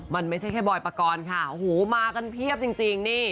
มันไม่ใช่แค่บอยปกรณ์ค่ะโอ้โหมากันเพียบจริงนี่